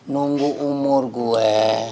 nunggu umur gue